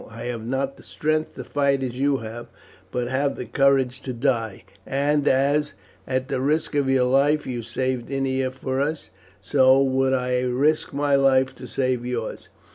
I have not the strength to fight as you have, but have the courage to die; and as, at the risk of your life, you saved Ennia for us, so would I risk my life to save yours.